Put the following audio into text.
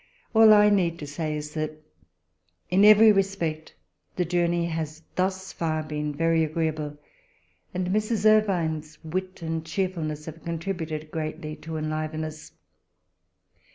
All I need say is that, in every respect, the journey has thus far been very agreeable, and Mrs. Irvine's wit and cheerfulness have con tributed greatly to enliven us.